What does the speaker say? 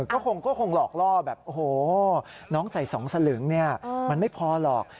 ก็คงหลอกล่อแบบโอ้โหน้องใส่๒สลึงเนี่ยมันไม่พอหรอก